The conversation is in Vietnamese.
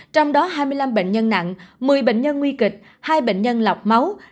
trong đó hai mươi năm bệnh nhân nặng một mươi bệnh nhân nguy kịch hai bệnh nhân lọc máu